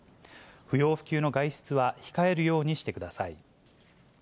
不要不急の外出は控えるようにしてください。